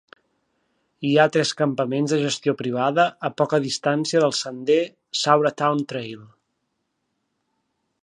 Hi ha tres campaments de gestió privada a poca distància del sender Sauratown Trail.